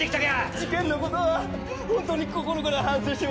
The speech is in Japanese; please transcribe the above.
事件のことは本当に心から反省してます。